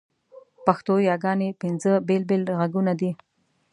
پښتو یاګاني پینځه بېل بېل ږغونه دي.